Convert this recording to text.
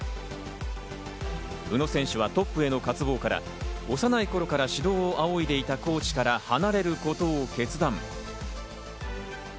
宇野選手はトップへの渇望から幼い頃から指導を仰いでいたコーチから離れることを決断。